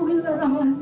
aku sudah berusaha ya om